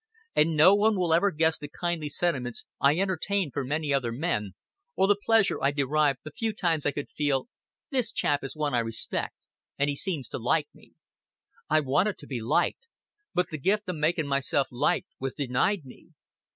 And no one will ever guess the kindly sentiments I entertained for many other men, or the pleasure I derived the few times I could feel: 'This chap is one I respect, and he seems to like me.' I wanted to be liked, but the gift o' making myself liked was denied me.